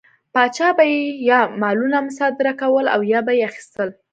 پاچا به یې یا مالونه مصادره کول او یا به یې اخیستل.